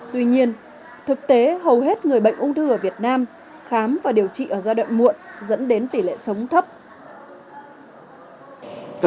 tuy nhiên thực tế hầu hết người bệnh ung thư ở việt nam khám và điều trị ở giai đoạn muộn dẫn đến tỷ lệ sống thấp